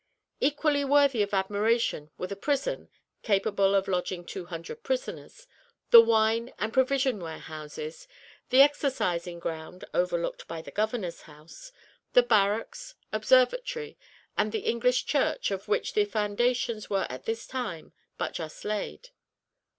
Equally worthy of admiration were the prison (capable of lodging two hundred prisoners), the wine and provision warehouses, the exercising ground (overlooked by the governor's house), the barracks, observatory, and the English church, of which the foundations were at this time but just laid.